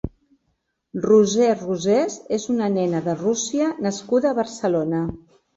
Roser Rosés és una nena de Rússia nascuda a Barcelona.